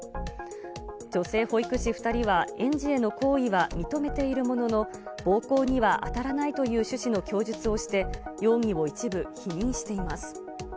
女性保育士２人は園児への行為は認めているものの、暴行には当たらないという趣旨の供述をして、容疑を一部否認しています。